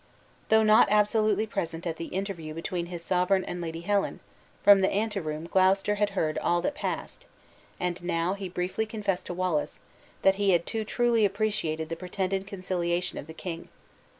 Though not absolutely present at the interview between his sovereign and Lady Helen, from the anteroom Gloucester had heard all that passed, and now he briefly confessed to Wallace, that he had too truly appreciated the pretended conciliation of the king.